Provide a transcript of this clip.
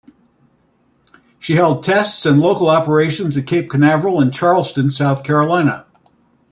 She held tests and local operations at Cape Canaveral and Charleston, South Carolina.